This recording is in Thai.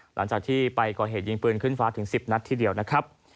หลังจากที่ไปก่อเหตุยิงปืนขึ้นฟ้าถึง๑๐นัดทีเดียวนะครับ